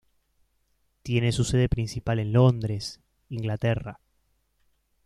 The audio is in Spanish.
Tiene su sede principal en Londres, Inglaterra.